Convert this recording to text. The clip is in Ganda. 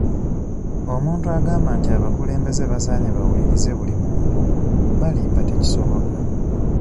Omuntu agamba nti abakulembeze basaanye bawulirize buli muntu balimba tekisoboka.